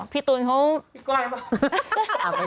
พี่ตูนเขาพี่ก้อยหรือเปล่า